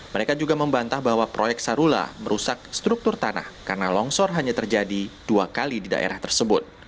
mereka juga membantah bahwa proyek sarula merusak struktur tanah karena longsor hanya terjadi dua kali di daerah tersebut